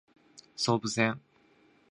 総武線